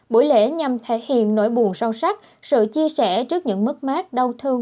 buổi lễ nhằm thể hiện nỗi buồn sâu sắc sự chia sẻ trước những mất mát đau thương